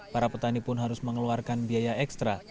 para petani pun harus mengeluarkan biaya ekstra